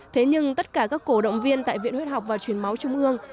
thế nhưng tất cả các cổ động viên tại viện huyết học và truyền máu trung ương